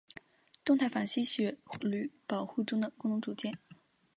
动态反吸血驴保护中的功能组件。